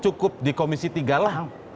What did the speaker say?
cukup di komisi tiga lah